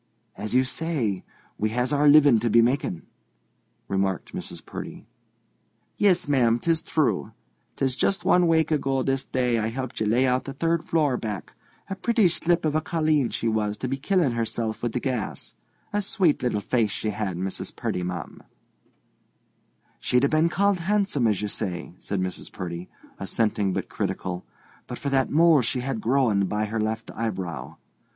"As you say, we has our living to be making," remarked Mrs. Purdy. "Yis, ma'am; 'tis true. 'Tis just one wake ago this day I helped ye lay out the third floor, back. A pretty slip of a colleen she was to be killin' herself wid the gas—a swate little face she had, Mrs. Purdy, ma'am." "She'd a been called handsome, as you say," said Mrs. Purdy, assenting but critical, "but for that mole she had a growin' by her left eyebrow.